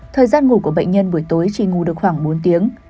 thời gian ngủ của bệnh nhân buổi tối chỉ ngủ được khoảng bốn tiếng